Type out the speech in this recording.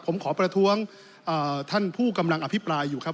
ผมขอประท้วงท่านผู้กำลังอภิปรายอยู่ครับ